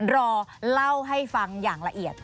รอเล่าให้ฟังอย่างละเอียด